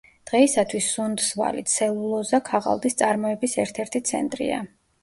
დღეისათვის სუნდსვალი ცელულოზა-ქაღალდის წარმოების ერთ-ერთი ცენტრია.